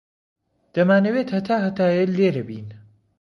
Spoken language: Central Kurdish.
دەمانەوێت هەتا هەتایە لێرە بین.